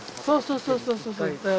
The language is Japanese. そうそうそうそう。